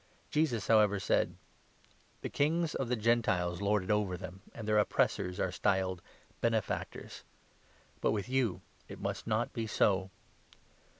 Jesus, 25 however, said : "The kings of the Gentiles lord it over them, and their oppressors are styled ' Benefactors.' But with you it must 26 not be so.